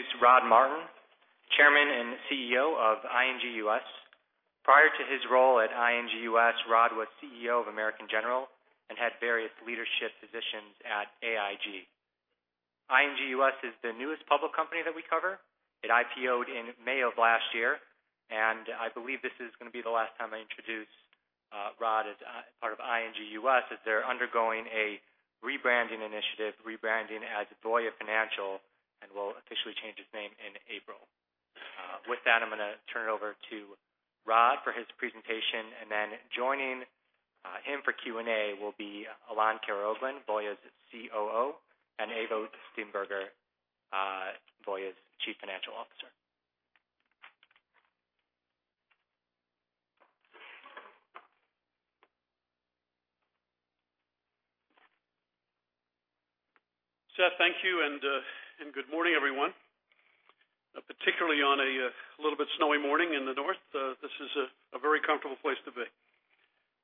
Introduce Rod Martin, Chairman and CEO of ING U.S. Prior to his role at ING U.S., Rod was CEO of American General and had various leadership positions at AIG. ING U.S. is the newest public company that we cover. It IPO'd in May of last year. I believe this is going to be the last time I introduce Rod as part of ING U.S., as they're undergoing a rebranding initiative, rebranding as Voya Financial, and will officially change its name in April. With that, I'm going to turn it over to Rod for his presentation. Then joining him for Q&A will be Alain Karaoglan, Voya's COO, and Ewout Steenbergen, Voya's Chief Financial Officer. Seth, thank you. Good morning, everyone. Particularly on a little bit snowy morning in the north, this is a very comfortable place to be.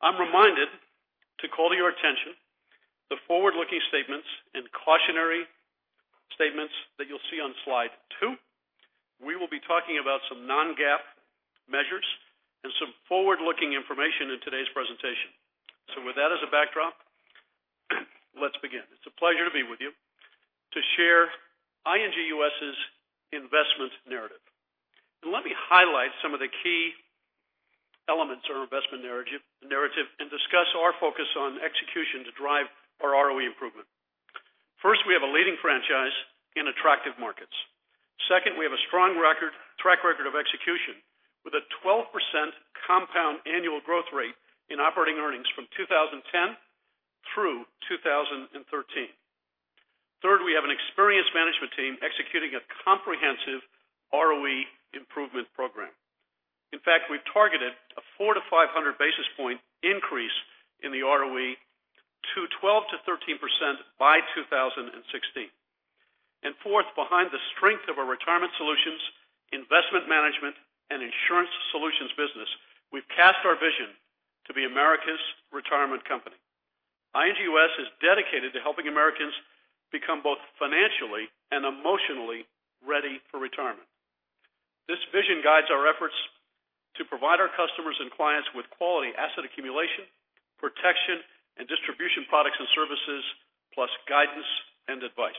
I'm reminded to call to your attention the forward-looking statements and cautionary statements that you'll see on slide two. We will be talking about some non-GAAP measures and some forward-looking information in today's presentation. With that as a backdrop, let's begin. It's a pleasure to be with you to share ING U.S.'s investment narrative. Let me highlight some of the key elements of our investment narrative and discuss our focus on execution to drive our ROE improvement. First, we have a leading franchise in attractive markets. Second, we have a strong track record of execution with a 12% compound annual growth rate in operating earnings from 2010 through 2013. Third, we have an experienced management team executing a comprehensive ROE improvement program. In fact, we've targeted a 400 to 500 basis point increase in the ROE to 12%-13% by 2016. Fourth, behind the strength of our Retirement Solutions, Investment Management, and Insurance Solutions business, we've cast our vision to be America's retirement company. ING U.S. is dedicated to helping Americans become both financially and emotionally ready for retirement. This vision guides our efforts to provide our customers and clients with quality asset accumulation, protection, and distribution products and services, plus guidance and advice.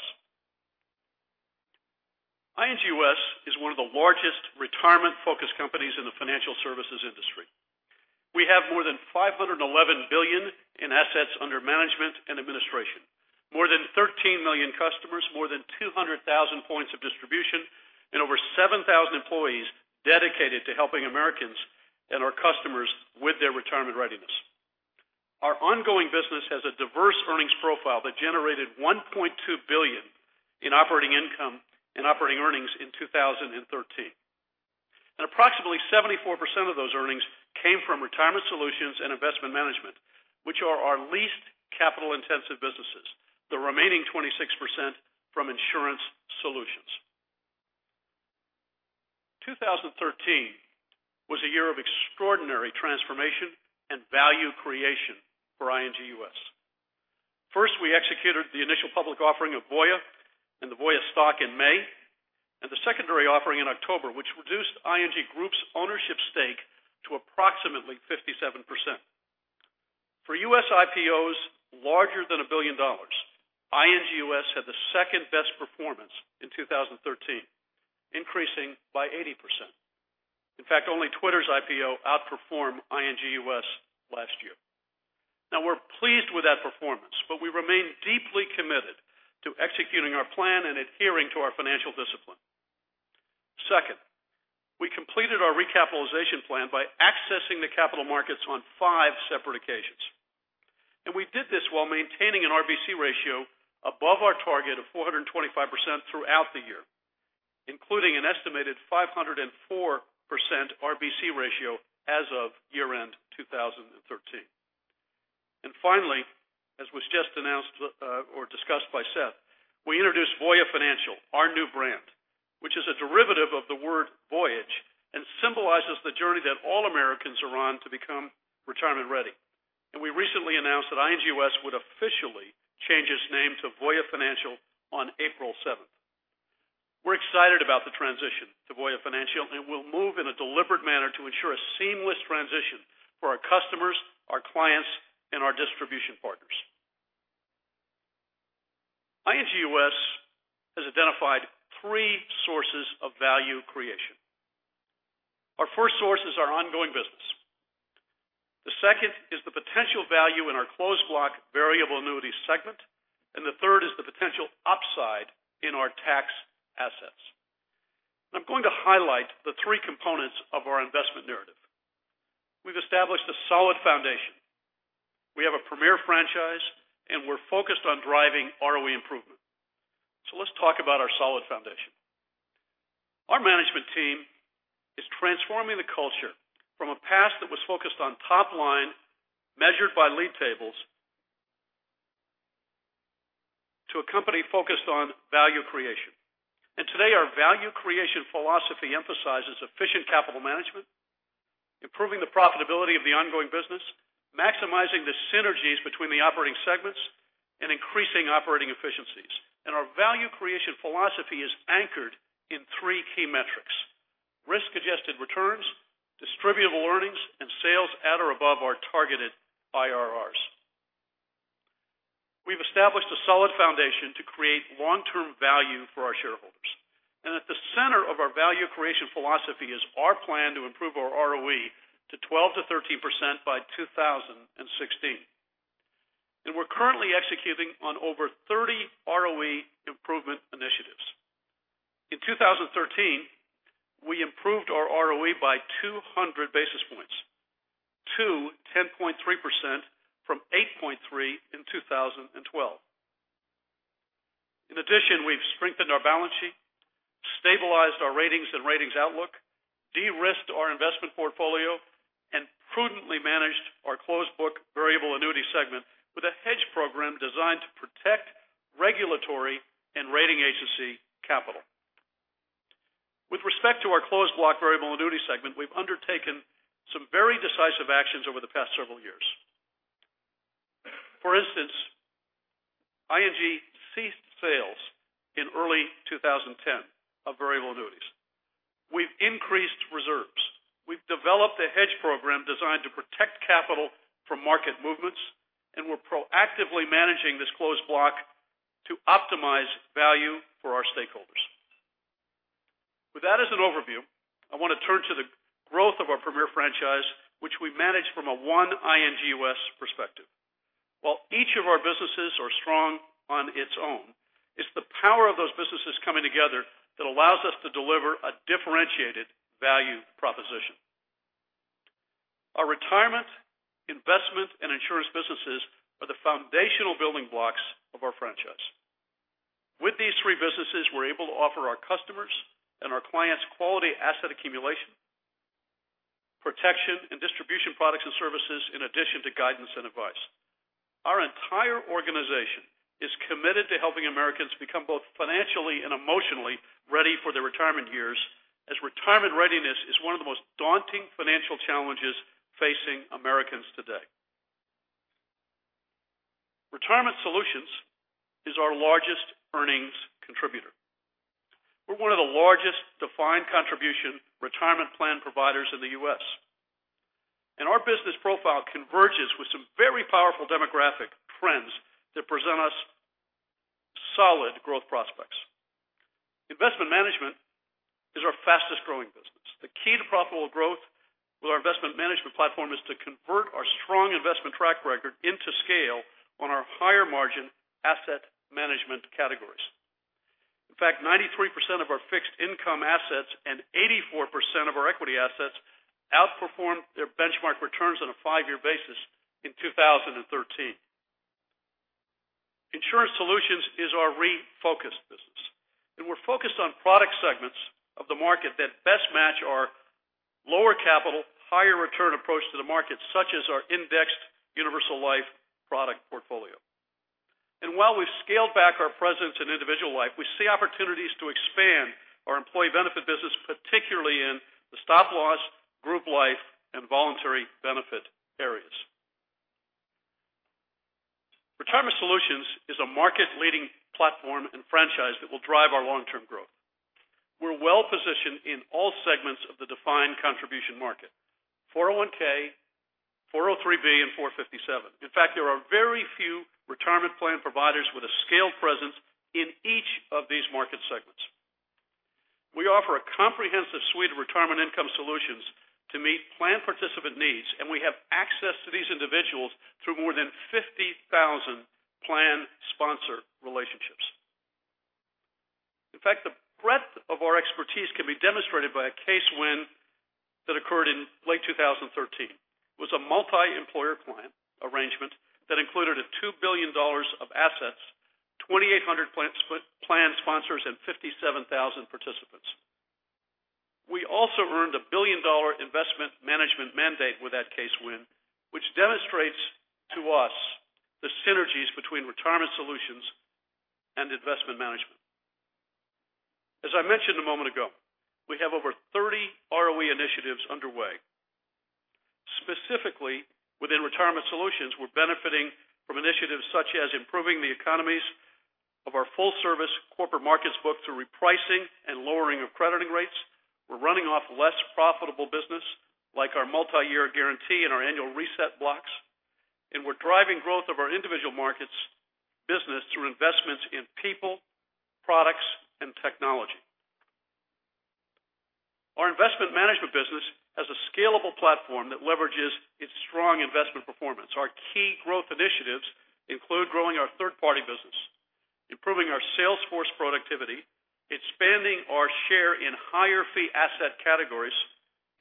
ING U.S. is one of the largest retirement-focused companies in the financial services industry. We have more than $511 billion in assets under management and administration, more than 13 million customers, more than 200,000 points of distribution, and over 7,000 employees dedicated to helping Americans and our customers with their retirement readiness. Our ongoing business has a diverse earnings profile that generated $1.2 billion in operating income and operating earnings in 2013. Approximately 74% of those earnings came from Retirement Solutions and Investment Management, which are our least capital-intensive businesses. The remaining 26% from Insurance Solutions. 2013 was a year of extraordinary transformation and value creation for ING U.S. First, we executed the initial public offering of Voya and the Voya stock in May, and the secondary offering in October, which reduced ING Group's ownership stake to approximately 57%. For U.S. IPOs larger than $1 billion, ING U.S. had the second-best performance in 2013, increasing by 80%. In fact, only Twitter's IPO outperformed ING U.S. last year. We're pleased with that performance. We remain deeply committed to executing our plan and adhering to our financial discipline. Second, we completed our recapitalization plan by accessing the capital markets on 5 separate occasions. We did this while maintaining an RBC ratio above our target of 425% throughout the year, including an estimated 504% RBC ratio as of year-end 2013. Finally, as was just announced or discussed by Seth, we introduced Voya Financial, our new brand, which is a derivative of the word voyage, and symbolizes the journey that all Americans are on to become retirement ready. We recently announced that ING U.S. would officially change its name to Voya Financial on April 7th. We're excited about the transition to Voya Financial, and we'll move in a deliberate manner to ensure a seamless transition for our customers, our clients, and our distribution partners. ING U.S. has identified 3 sources of value creation. Our first source is our ongoing business. The second is the potential value in our closed block variable annuity segment, the third is the potential upside in our tax assets. I'm going to highlight the 3 components of our investment narrative. We've established a solid foundation. We have a premier franchise, we're focused on driving ROE improvement. Let's talk about our solid foundation. Our management team is transforming the culture from a past that was focused on top line measured by league tables to a company focused on value creation. Today, our value creation philosophy emphasizes efficient capital management, improving the profitability of the ongoing business, maximizing the synergies between the operating segments, and increasing operating efficiencies. Our value creation philosophy is anchored in 3 key metrics: risk-adjusted returns, distributable earnings, and sales at or above our targeted IRRs. We've established a solid foundation to create long-term value for our shareholders, at the center of our value creation philosophy is our plan to improve our ROE to 12%-13% by 2016. We're currently executing on over 30 ROE improvement initiatives. In 2013, we improved our ROE by 200 basis points to 10.3% from 8.3% in 2012. In addition, we've strengthened our balance sheet, stabilized our ratings and ratings outlook, de-risked our investment portfolio, and prudently managed our closed block variable annuity segment with a hedge program designed to protect regulatory and rating agency capital. With respect to our closed block variable annuity segment, we've undertaken some very decisive actions over the past several years. For instance, ING U.S. ceased sales in early 2010 of variable annuities. We've increased reserves. We've developed a hedge program designed to protect capital from market movements, we're proactively managing this closed block to optimize value for our stakeholders. With that as an overview, I want to turn to the growth of our premier franchise, which we manage from a one ING U.S. perspective. While each of our businesses are strong on its own, it's the power of those businesses coming together that allows us to deliver a differentiated value proposition. Our retirement, investment, and insurance businesses are the foundational building blocks of our franchise. With these 3 businesses, we're able to offer our customers and our clients quality asset accumulation, protection, and distribution products and services, in addition to guidance and advice. Our entire organization is committed to helping Americans become both financially and emotionally ready for their retirement years, as retirement readiness is one of the most daunting financial challenges facing Americans today. Retirement Solutions is our largest earnings contributor. We're one of the largest defined contribution retirement plan providers in the U.S. Our business profile converges with some very powerful demographic trends that present us solid growth prospects. Investment Management is our fastest-growing business. The key to profitable growth with our Investment Management platform is to convert our strong investment track record into scale on our higher margin asset management categories. In fact, 93% of our fixed income assets and 84% of our equity assets outperformed their benchmark returns on a five-year basis in 2013. Insurance Solutions is our refocused business. We're focused on product segments of the market that best match our lower capital, higher return approach to the market, such as our indexed universal life product portfolio. While we've scaled back our presence in individual life, we see opportunities to expand our Employee Benefits business, particularly in the Stop Loss, Group Life, and Voluntary Benefits areas. Retirement Solutions is a market-leading platform and franchise that will drive our long-term growth. We're well-positioned in all segments of the defined contribution market: 401(k), 403(b), and 457. In fact, there are very few retirement plan providers with a scaled presence in each of these market segments. We offer a comprehensive suite of retirement income solutions to meet plan participant needs. We have access to these individuals through more than 50,000 plan sponsor relationships. In fact, the breadth of our expertise can be demonstrated by a case win that occurred in late 2013. It was a multi-employer client arrangement that included a $2 billion of assets, 2,800 plan sponsors, and 57,000 participants. We also earned a billion-dollar Investment Management mandate with that case win, which demonstrates to us the synergies between Retirement Solutions and Investment Management. As I mentioned a moment ago, we have over 30 ROE initiatives underway. Specifically, within Retirement Solutions, we're benefiting from initiatives such as improving the economies of our full-service corporate markets book through repricing and lowering of crediting rates. We're running off less profitable business, like our Multi-Year Guarantee and our Annual Reset blocks. We're driving growth of our individual markets business through investments in people, products, and technology. Our Investment Management business has a scalable platform that leverages its strong investment performance. Our key growth initiatives include growing our third-party business, improving our sales force productivity, expanding our share in higher fee asset categories.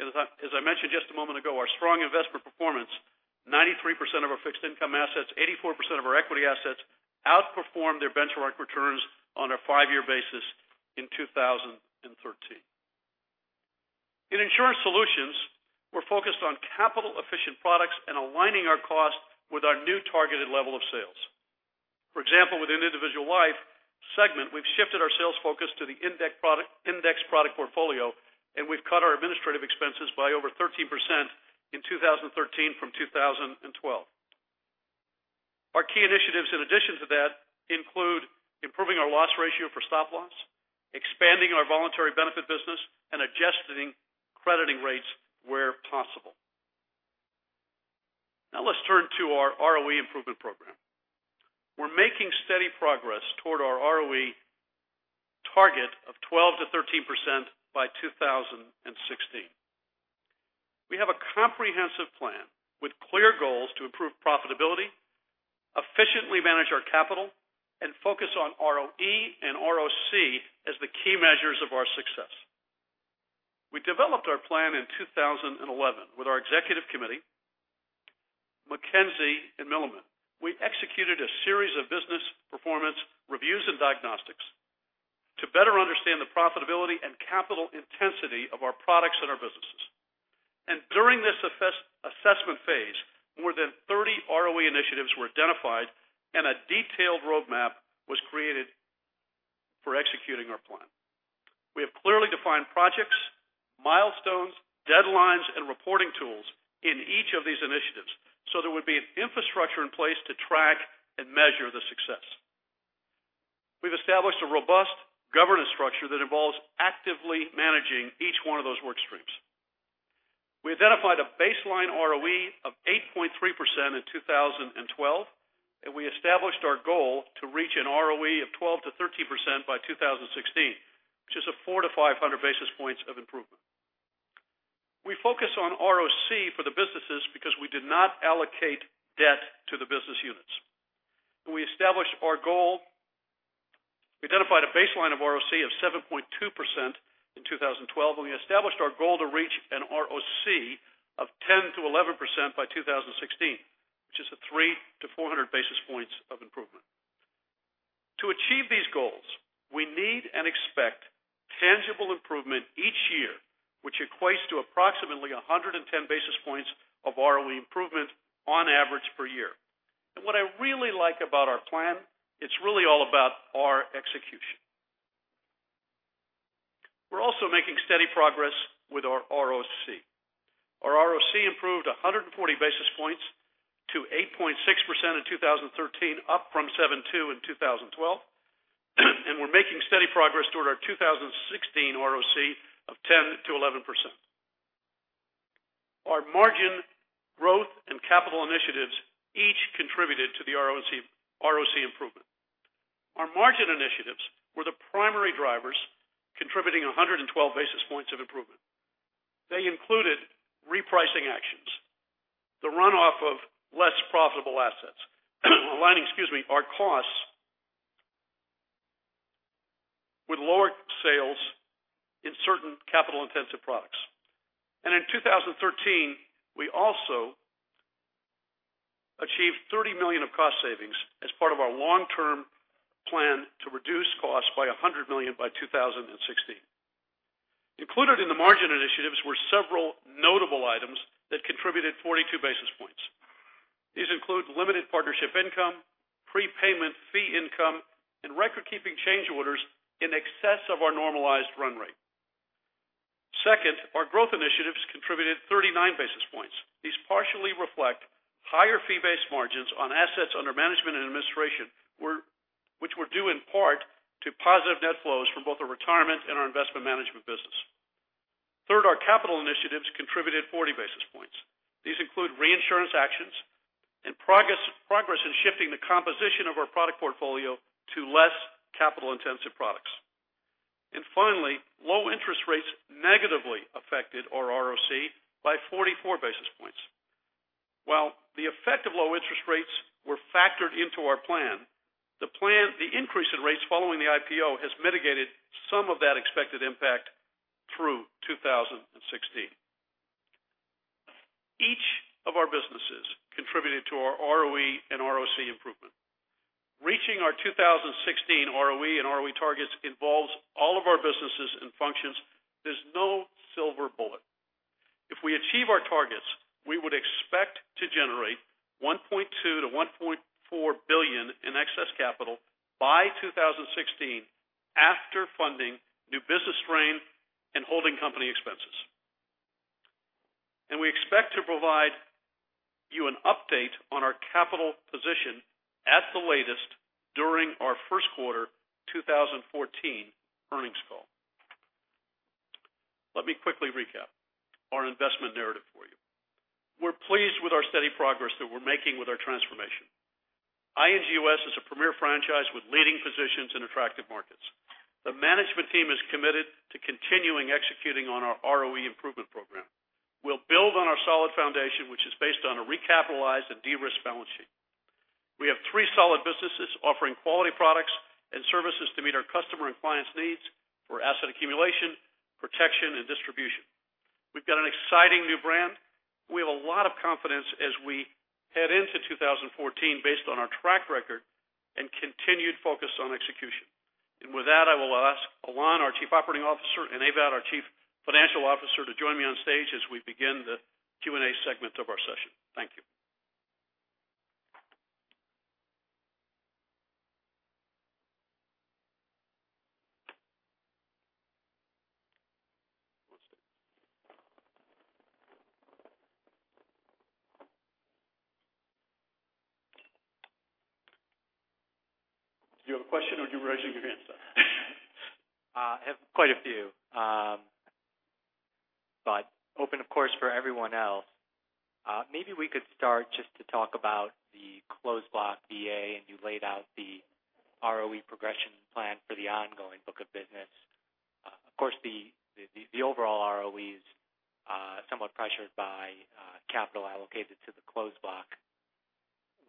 As I mentioned just a moment ago, our strong investment performance, 93% of our fixed income assets, 84% of our equity assets outperformed their benchmark returns on a five-year basis in 2013. In Insurance Solutions, we're focused on capital-efficient products and aligning our cost with our new targeted level of sales. For example, within individual life segment, we've shifted our sales focus to the index product portfolio. We've cut our administrative expenses by over 13% in 2013 from 2012. Our key initiatives in addition to that include improving our loss ratio for Stop Loss, expanding our Voluntary Benefits business and adjusting crediting rates where possible. Let's turn to our ROE improvement program. We're making steady progress toward our ROE target of 12%-13% by 2016. We have a comprehensive plan with clear goals to improve profitability, efficiently manage our capital, and focus on ROE and ROC as the key measures of our success. We developed our plan in 2011 with our executive committee, McKinsey & Company, and Milliman. We executed a series of business performance reviews and diagnostics to better understand the profitability and capital intensity of our products and our businesses. During this assessment phase, more than 30 ROE initiatives were identified, and a detailed roadmap was created for executing our plan. We have clearly defined projects, milestones, deadlines, and reporting tools in each of these initiatives so there would be an infrastructure in place to track and measure the success. We've established a robust governance structure that involves actively managing each one of those work streams. We identified a baseline ROE of 8.3% in 2012, and we established our goal to reach an ROE of 12%-13% by 2016, which is a 400 to 500 basis points of improvement. We focus on ROC for the businesses because we did not allocate debt to the business units. We identified a baseline of ROC of 7.2% in 2012, and we established our goal to reach an ROC of 10%-11% by 2016, which is a 300 to 400 basis points of improvement. To achieve these goals, we need and expect tangible improvement each year, which equates to approximately 110 basis points of ROE improvement on average per year. What I really like about our plan, it's really all about our execution. We're also making steady progress with our ROC. Our ROC improved 140 basis points to 8.6% in 2013, up from 7.2% in 2012. We're making steady progress toward our 2016 ROC of 10%-11%. Our margin growth and capital initiatives each contributed to the ROC improvement. Our margin initiatives were the primary drivers, contributing 112 basis points of improvement. They included repricing actions, the runoff of less profitable assets, aligning, excuse me, our costs with lower sales in certain capital-intensive products. In 2013, we also achieved $30 million of cost savings as part of our long-term plan to reduce costs by $100 million by 2016. Included in the margin initiatives were several notable items that contributed 42 basis points. These include limited partnership income, prepayment fee income, and record-keeping change orders in excess of our normalized run rate. Second, our growth initiatives contributed 39 basis points. These partially reflect higher fee-based margins on assets under management and administration which were due in part to positive net flows from both our retirement and our Investment Management business. Third, our capital initiatives contributed 40 basis points. These include reinsurance actions and progress in shifting the composition of our product portfolio to less capital-intensive products. Finally, low interest rates negatively affected our ROC by 44 basis points. While the effect of low interest rates were factored into our plan, the increase in rates following the IPO has mitigated some of that expected impact through 2016. Each of our businesses contributed to our ROE and ROC improvement. Reaching our 2016 ROE and ROC targets involves all of our businesses and functions. There's no silver bullet. If we achieve our targets, we would expect to generate $1.2 billion to $1.4 billion in excess capital by 2016 after funding new business strain and holding company expenses. We expect to provide you an update on our capital position at the latest during our first quarter 2014 earnings call. Let me quickly recap our investment narrative for you. We're pleased with our steady progress that we're making with our transformation. ING U.S. is a premier franchise with leading positions in attractive markets. The management team is committed to continuing executing on our ROE improvement program. We'll build on our solid foundation, which is based on a recapitalized and de-risked balance sheet. We have three solid businesses offering quality products and services to meet our customer and clients' needs for asset accumulation, protection, and distribution. We've got an exciting new brand. We have a lot of confidence as we head into 2014 based on our track record and continued focus on execution. With that, I will ask Alain, our Chief Operating Officer, and Ewout, our Chief Financial Officer, to join me on stage as we begin the Q&A segment of our session. Thank you. Do you have a question, or are you ready with your answer? I have quite a few. Open, of course, for everyone else. Maybe we could start just to talk about the closed block VA, and you laid out the ROE progression plan for the ongoing book of business. Of course, the overall ROE is somewhat pressured by capital allocated to the closed block.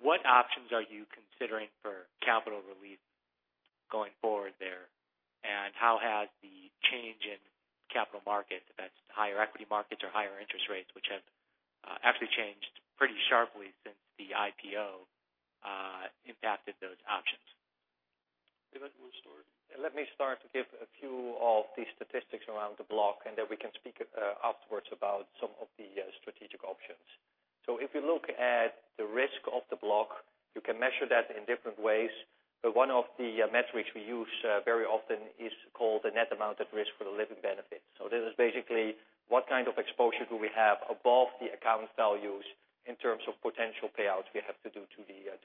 What options are you considering for capital relief going forward there? How has the change in capital markets, if that's higher equity markets or higher interest rates, which have actually changed pretty sharply since the IPO, impacted those options? Ewout, want to start? Let me start to give a few of the statistics around the block, and then we can speak afterwards about some of the strategic options. If you look at the risk of the block, you can measure that in different ways. One of the metrics we use very often is called the net amount at risk for the living benefits. This is basically what kind of exposure do we have above the account values in terms of potential payouts we have to do to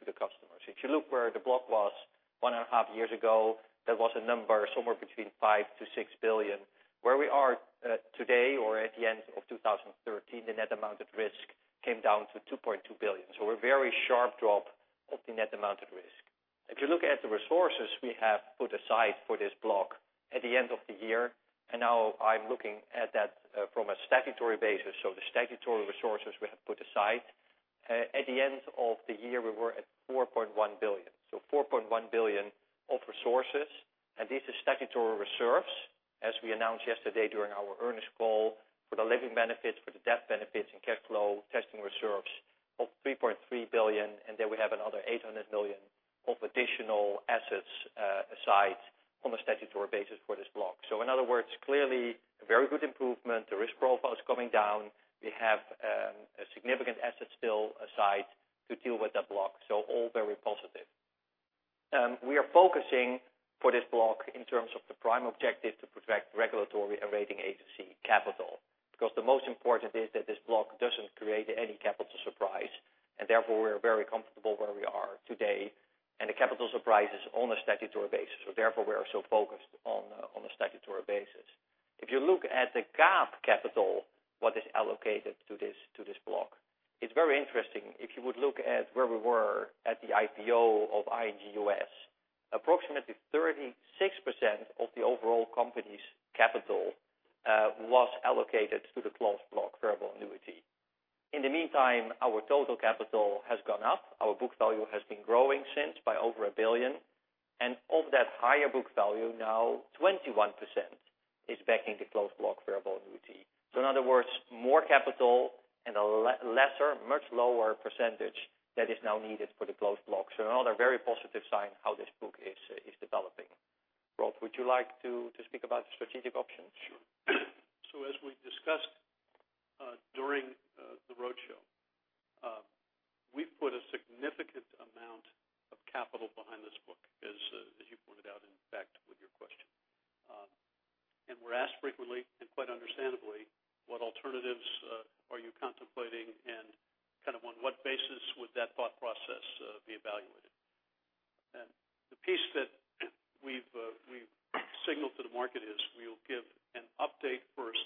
the customers. If you look where the block was one and a half years ago, there was a number somewhere between $5 billion-$6 billion. Where we are today, or at the end of 2013, the net amount at risk came down to $2.2 billion. A very sharp drop of the net amount at risk. If you look at the resources we have put aside for this block at the end of the year, and now I'm looking at that from a statutory basis, the statutory resources we have put aside. At the end of the year, we were at $4.1 billion. $4.1 billion of resources, and these are statutory reserves. As we announced yesterday during our earnings call, for the living benefits, for the death benefits and cash flow testing reserves of $3.3 billion, and then we have another $800 million of additional assets aside on a statutory basis for this block. In other words, clearly a very good improvement. The risk profile is coming down. We have a significant asset still aside to deal with that block. All very positive. We are focusing for this block in terms of the prime objective to protect regulatory and rating agency capital. Because the most important is that this block doesn't create any capital surprise, and therefore we're very comfortable where we are today, and the capital surprise is on a statutory basis. Therefore, we are so focused on a statutory basis. If you look at the GAAP capital, what is allocated to this block, it's very interesting. If you would look at where we were at the IPO of ING U.S., approximately 36% of the overall company's capital was allocated to the closed block variable annuity. In the meantime, our total capital has gone up. Our book value has been growing since by over $1 billion. And of that higher book value, now 21% is backing the closed block variable annuity. In other words, more capital and a lesser, much lower percentage that is now needed for the closed block. Another very positive sign how this book is developing. Rod, would you like to speak about strategic options? Sure. As we discussed during the roadshow, we put a significant amount of capital behind this book, as you pointed out, in fact, with your question. We are asked frequently, and quite understandably, what alternatives are you contemplating, and on what basis would that thought process be evaluated? The piece that we have signaled to the market is we will give an update first,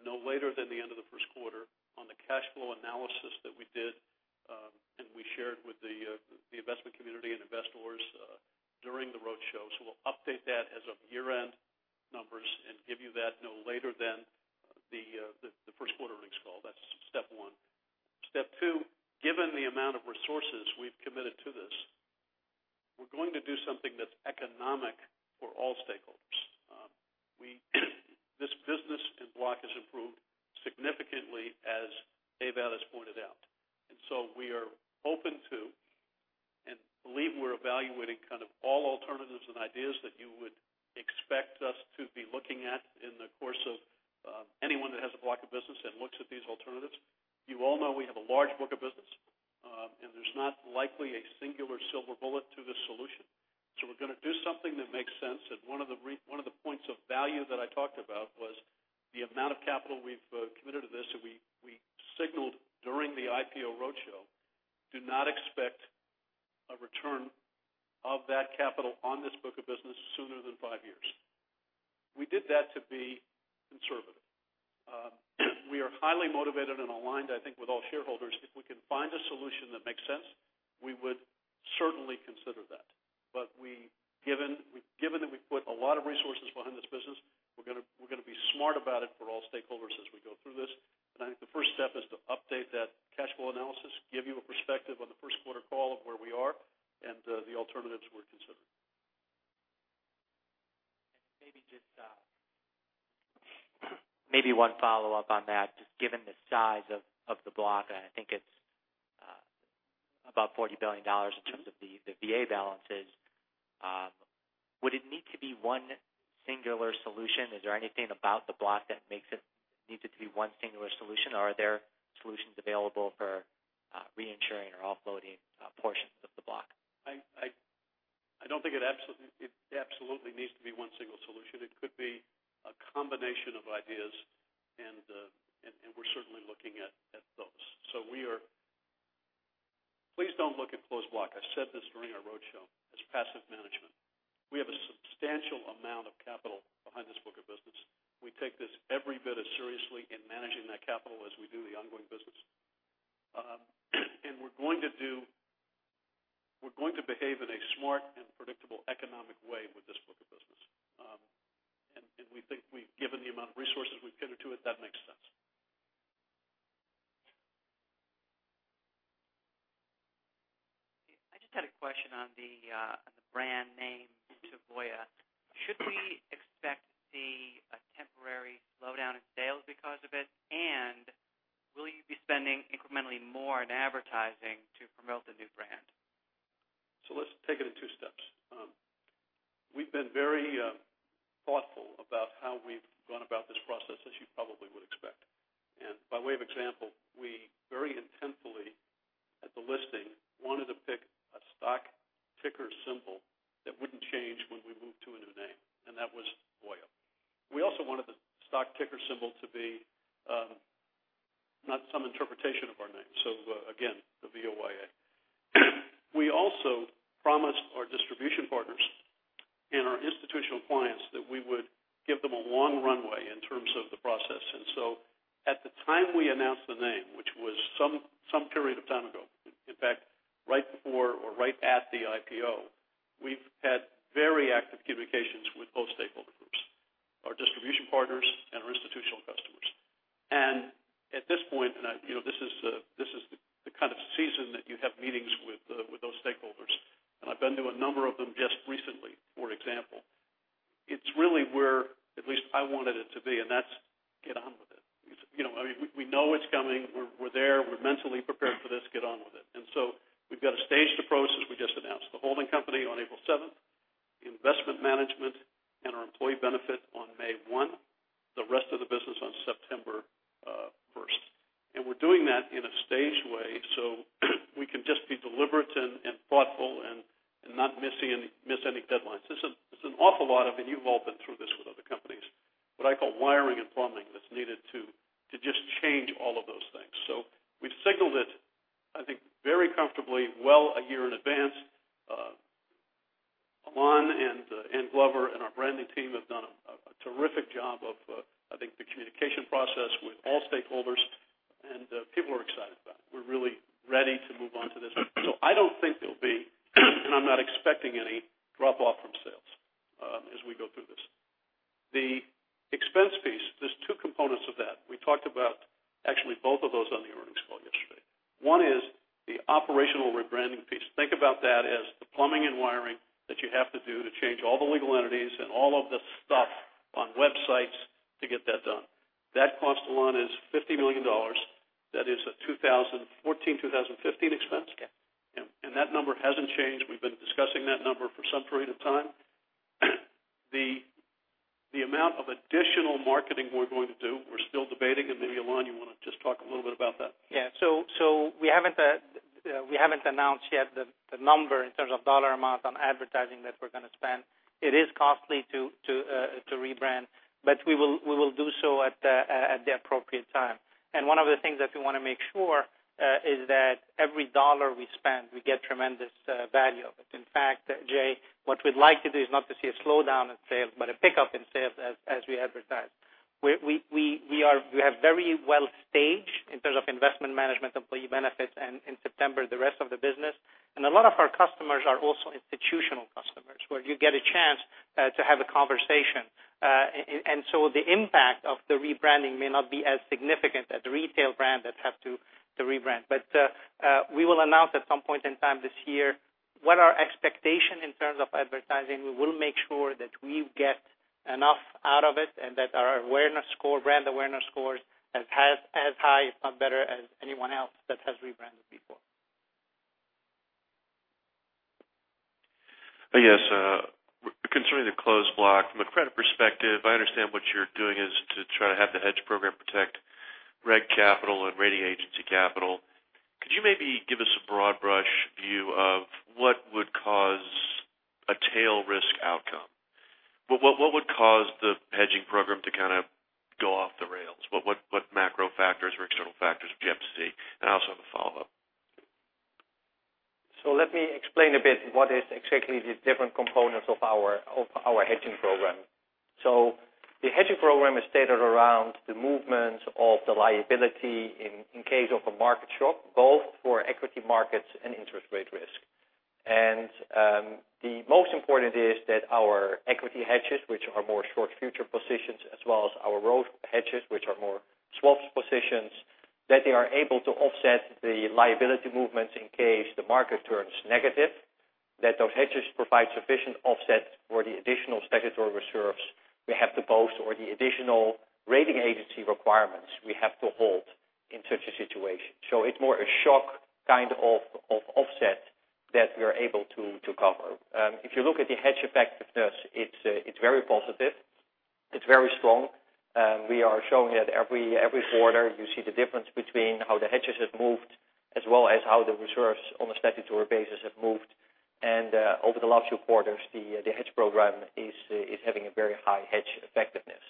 no later than the end of the first quarter, on the cash flow analysis that we did and we shared with the investment community and investors during the roadshow. We will update that as of year-end numbers and give you that no later than the first quarter earnings call. That's step one. Step two, given the amount of resources we've committed to this, we're going to do something that's economic for all stakeholders. This business and block has improved significantly, as Ewout has pointed out. We are open to and believe we're evaluating all alternatives and ideas that you would expect us to be looking at in the course of anyone that has a block of business and looks at these alternatives. You all know we have a large book of business. There's not likely a singular silver bullet to this solution. We're going to do something that makes sense, and one of the points of value that I talked about was the amount of capital we've committed to this, that we signaled during the IPO roadshow. Do not expect a return of that capital on this book of business sooner than five years. We did that to be conservative. We are highly motivated and aligned, I think, with all shareholders. If we can find a solution that makes sense, we would certainly consider that. Given that we put a lot of resources behind this business, we're going to be smart about it for all stakeholders as we go through this. I think the first step is to update that cash flow analysis, give you a perspective on the first quarter call of where we are, and the alternatives we're considering. Maybe one follow-up on that, just given the size of the block, and I think it's about $40 billion in terms of the VA balances. Would it need to be one singular solution? Is there anything about the block that makes it needed to be one singular solution, or are there solutions available for reinsuring or offloading portions of the block? I don't think it absolutely needs to be one single solution. It could be a combination of ideas, and we're certainly looking at those. Please don't look at closed block. I said this during our roadshow. It's passive management. We have a substantial amount of capital behind this book of business. We take this every bit as seriously in managing that capital as we do the ongoing business. We're going to behave in a smart and predictable economic way with this book of business. We think, given the amount of resources we've given to it, that makes sense. I just had a question on the brand name to Voya. Should we expect to see a temporary slowdown in sales because of it? Will you be spending incrementally more on advertising to promote the new brand? Let's take it in two steps. We've been very thoughtful about how we've gone about this process, as you probably would expect. By way of example, we very intentionally, at the listing, wanted to pick a stock ticker symbol that wouldn't change when we moved to a new name, and that was VOYA. We also wanted the stock ticker symbol to be not some interpretation of our name. Again, the V-O-Y-A. We also promised our distribution partners and our institutional clients that we would give them a long runway in terms of the process. At the time we announced the name, which was some period of time ago, in fact, right before or right at the IPO, we've had very active communications with both stakeholder groups, our distribution partners and our institutional customers. At this point, this is the kind of season that you have meetings with those stakeholders. I've been to a number of them just recently, for example. It's really where at least I wanted it to be, and that's get on with it. We know it's coming. We're there. We're mentally prepared for this. Get on with it. We've got a staged approach, as we just announced. The holding company on April 7th, Investment Management and our Employee Benefits on May 1, the rest of the business on September 1st. We're doing that in a staged way so we can just be deliberate and thoughtful and not miss any deadlines. There's an awful lot of, and you've all been through this with other companies, what I call wiring and plumbing that's needed to just change all of those things. We've signaled it, I think, very comfortably well a year in advance. Alain and Glover and our branding team have done a terrific job of, I think, the communication process with all stakeholders, and people are excited about it. We're really ready to move on to this. I don't think there'll be, and I'm not expecting any drop-off from sales as we go through this. The expense piece, there's two components of that. We talked about actually both of those on the earnings call yesterday. One is the operational rebranding piece. Think about that as the plumbing and wiring that you have to do to change all the legal entities and all of the stuff on websites to get that done. That cost alone is $50 million. That is a 2014-2015 expense. Okay. That number hasn't changed. We've been discussing that number for some period of time. The amount of additional marketing we're going to do, we're still debating, and maybe, Alain, you want to just talk a little bit about that? Yeah. We haven't announced yet the number in terms of dollar amount on advertising that we're going to spend. It is costly to rebrand, but we will do so at the appropriate time. One of the things that we want to make sure is that every dollar we spend, we get tremendous value of it. In fact, Jay, what we'd like to do is not to see a slowdown in sales, but a pickup in sales as we advertise. We have very well staged in terms of Investment Management, Employee Benefits, and in September, the rest of the business. A lot of our customers are also institutional customers, where you get a chance to have a conversation. The impact of the rebranding may not be as significant as a retail brand that has to rebrand. We will announce at some point in time this year what our expectation in terms of advertising. We will make sure that we get enough out of it and that our brand awareness score is as high, if not better, as anyone else that has rebranded before. Yes. Concerning the closed block, from a credit perspective, I understand what you're doing is to try to have the hedge program protect reg capital and rating agency capital. Could you maybe give us a broad-brush view of what would cause a tail risk outcome? What would cause the hedging program to kind of go off the rails? What macro factors or external factors would you have to see? I also have a follow-up. Let me explain a bit what is exactly the different components of our hedging program. The hedging program is stated around the movements of the liability in case of a market shock, both for equity markets and interest rate risk. The most important is that our equity hedges, which are more short futures positions, as well as our rho hedges, which are more swaps positions, that they are able to offset the liability movements in case the market turns negative. That those hedges provide sufficient offset for the additional statutory reserves we have to post, or the additional rating agency requirements we have to hold in such a situation. It's more a shock kind of offset that we are able to cover. If you look at the hedge effectiveness, it's very positive. It's very strong. We are showing that every quarter, you see the difference between how the hedges have moved as well as how the reserves on a statutory basis have moved. Over the last few quarters, the hedge program is having a very high hedge effectiveness.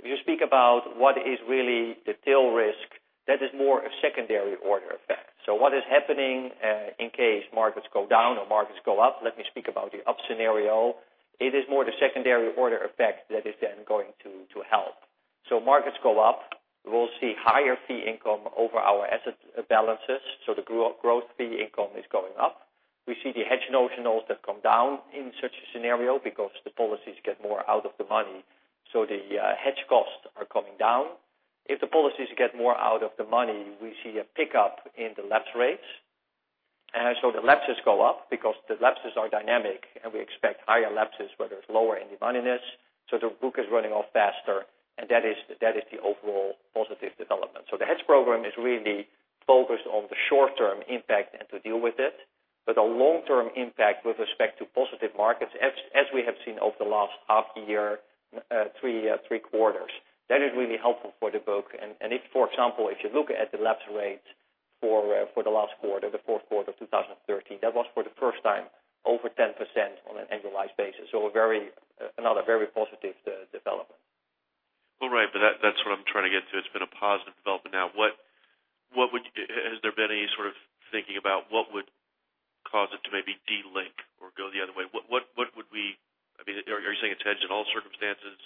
If you speak about what is really the tail risk, that is more a secondary order effect. What is happening, in case markets go down or markets go up, let me speak about the up scenario. It is more the secondary order effect that is then going to help. Markets go up, we will see higher fee income over our asset balances. The gross fee income is going up. We see the hedge notionals that come down in such a scenario because the policies get more out of the money. The hedge costs are coming down. If the policies get more out of the money, we see a pickup in the lapse rates. The lapses go up because the lapses are dynamic and we expect higher lapses where there's lower in-the-moneyness. The book is running off faster, and that is the overall positive development. The hedge program is really focused on the short-term impact and to deal with it. A long-term impact with respect to positive markets, as we have seen over the last half year, three quarters. That is really helpful for the book. If, for example, if you look at the lapse rates for the last quarter, the fourth quarter 2013, that was for the first time over 10% on an annualized basis. Another very positive development. Right, that's what I'm trying to get to. It's been a positive development. Has there been any sort of thinking about what would cause it to maybe delink or go the other way? Are you saying it's hedged in all circumstances?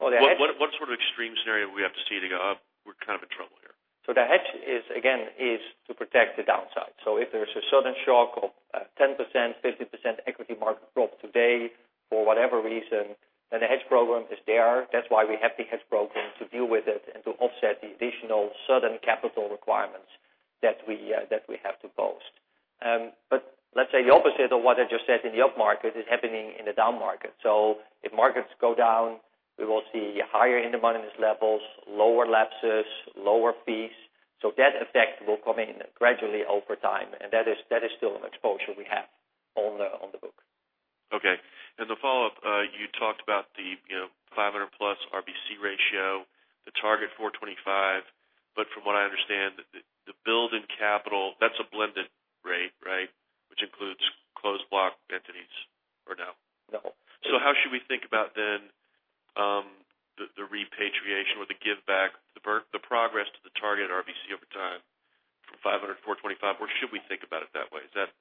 Well, the. What sort of extreme scenario we have to see to go, "Oh, we're kind of in trouble here. The hedge is, again, is to protect the downside. If there's a sudden shock of 10%, 50% equity market drop today for whatever reason, the hedge program is there. That's why we have the hedge program to deal with it and to offset the additional sudden capital requirements that we have to post. Let's say the opposite of what I just said in the up market is happening in the down market. If markets go down, we will see higher in-the-moneyness levels, lower lapses, lower fees. That effect will come in gradually over time, and that is still an exposure we have on the book. The follow-up, you talked about the 500% RBC ratio, the target 425%, but from what I understand, the build in capital, that's a blended rate, right? Which includes closed block entities, or no? No. How should we think about then, the repatriation or the give back, the progress to the target RBC over time from 500% to 425%? Should we think about it that way? Is that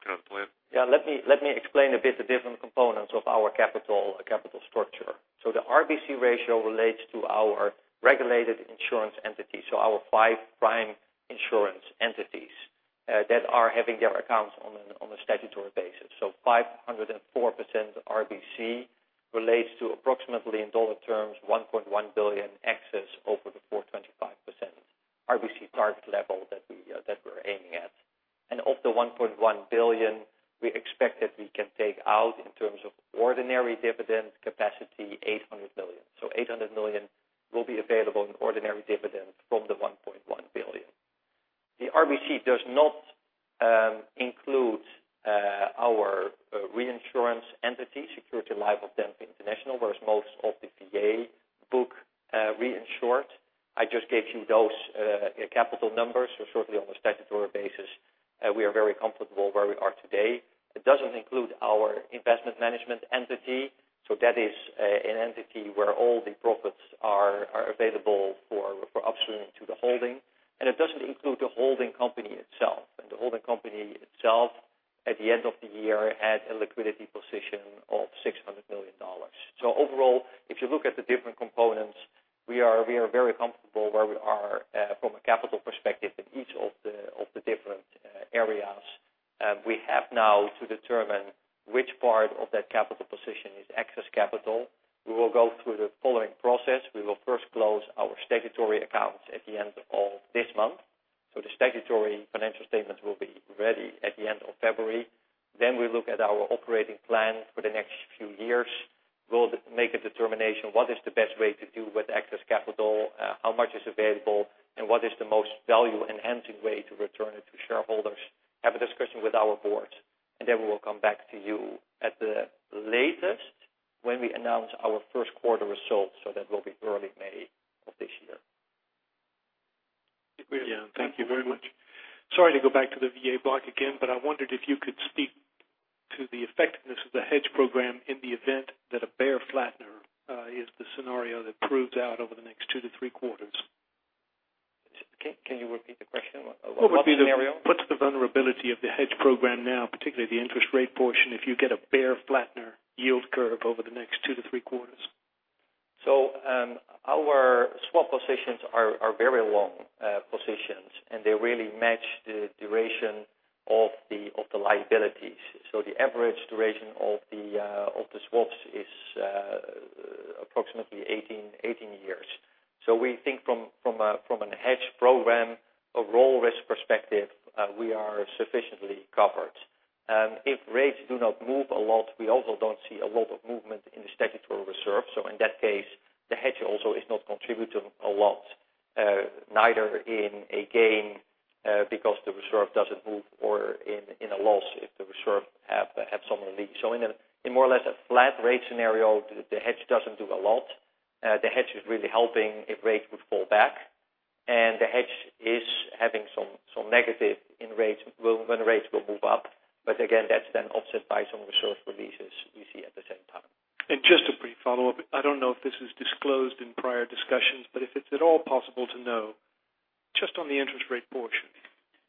kind of the plan? Let me explain a bit the different components of our capital structure. The RBC ratio relates to our regulated insurance entities. Our five prime insurance entities that are having their accounts on a statutory basis. 504% RBC relates to approximately in dollar terms, $1.1 billion excess over the 425% RBC target level that we're aiming at. Of the $1.1 billion, we expect that we can take out in terms of ordinary dividend capacity, $800 million. $800 million will be available in ordinary dividends from the $1.1 billion. The RBC does not include our reinsurance entity, Security Life of Denver International, whereas most of the VA book reinsured. I just gave you those capital numbers. Certainly on a statutory basis, we are very comfortable where we are today. It doesn't include our Investment Management entity. That is an entity where all the profits are available for upstreaming to the holding. It doesn't include the holding company itself. The holding company itself, at the end of the year, had a liquidity position of $600 million. Overall, if you look at the different components, we are very comfortable where we are from a capital perspective in each of the different areas. We have now to determine which part of that capital position is excess capital. We will go through the following process. We will first close our statutory accounts at the end of this month. The statutory financial statements will be ready at the end of February. We look at our operating plan for the next few years. We'll make a determination, what is the best way to do with excess capital? How much is available? What is the most value-enhancing way to return it to shareholders? Have a discussion with our board. We will come back to you at the latest when we announce our first quarter results. That will be early May of this year. Thank you very much. Sorry to go back to the VA block again. I wondered if you could speak to the effectiveness of the hedge program in the event that a bear flattener is the scenario that proves out over the next two to three quarters. Can you repeat the question? What scenario? What's the vulnerability of the hedge program now, particularly the interest rate portion, if you get a bear flattener yield curve over the next two to three quarters? Our swap positions are very long positions, and they really match the duration of the liabilities. The average duration of the swaps is approximately 18 years. We think from a hedge program, a rho risk perspective, we are sufficiently covered. If rates do not move a lot, we also don't see a lot of movement in the statutory reserve. In that case, the hedge also is not contributing a lot, neither in a gain because the reserve doesn't move or in a loss if the reserve have some release. In more or less a flat rate scenario, the hedge doesn't do a lot. The hedge is really helping if rates would fall back. The hedge is having some negative when rates will move up. Again, that's then offset by some reserve releases we see at the same time. Just a brief follow-up. I don't know if this was disclosed in prior discussions, but if it's at all possible to know, just on the interest rate portion,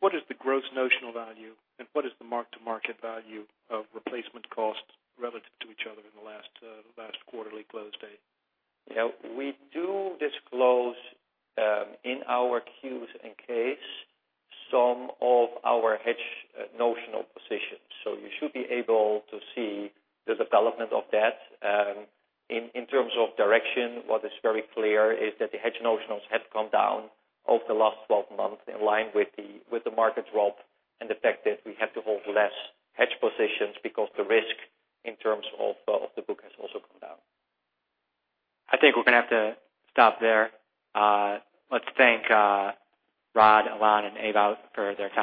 what is the gross notional value and what is the mark-to-market value of replacement costs relative to each other in the last quarterly close date? Yeah. We do disclose in our Qs and Ks some of our hedge notional positions. You should be able to see the development of that. In terms of direction, what is very clear is that the hedge notionals have come down over the last 12 months in line with the market drop and the fact that we have to hold less hedge positions because the risk in terms of the book has also come down. I think we're going to have to stop there. Let's thank Rod, Alain, and Ewout for their comments.